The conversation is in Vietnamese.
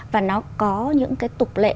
và nó có những cái tục lệ